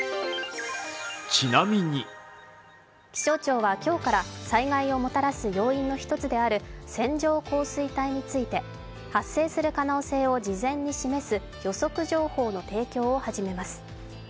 気象庁は今日から災害をもたらす要因の一つである線状降水帯について発生する可能性を事前に示す予測情報の提供を始めます。